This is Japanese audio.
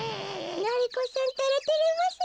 がり子さんったらてれますねえ。